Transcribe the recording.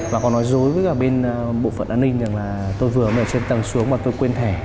và có nói dối với cả bộ phận an ninh nghĩa là tôi vừa ở trên tầng xuống và tôi quên thẻ